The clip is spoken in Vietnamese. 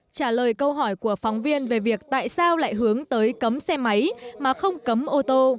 trả lời câu hỏi của phóng viên về việc tại sao lại hướng tới cấm xe máy mà không cấm ô tô